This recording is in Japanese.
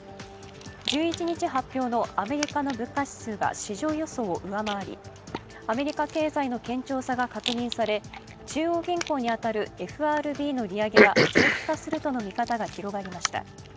１１日発表のアメリカの物価指数が市場予想を上回り、アメリカ経済の堅調さが確認され中央銀行に当たるＦＲＢの利上げが長期化するとの見方が広がりました。